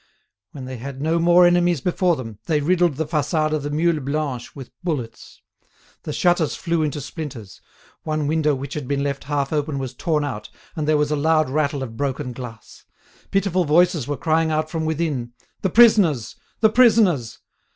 When they had no more enemies before them, they riddled the façade of the Mule Blanche with bullets. The shutters flew into splinters; one window which had been left half open was torn out, and there was a loud rattle of broken glass. Pitiful voices were crying out from within; "The prisoners! The prisoners!"